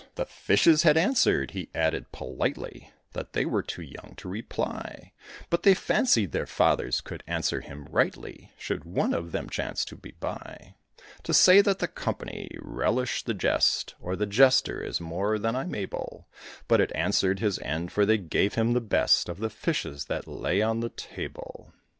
"The fishes had answered," he added, politely, "That they were too young to reply; But they fancied their fathers could answer him rightly, Should one of them chance to be by." To say that the company relished the jest, Or the jester, is more than I'm able; But it answered his end, for they gave him the best Of the fishes that lay on the table.